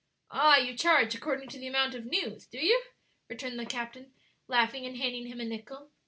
"Ah, you charge according to the amount of news, do you?" returned the captain, laughing, and handing him a nickel.